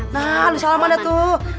nah lu salam anda tuh